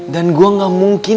dan gua gak mungkin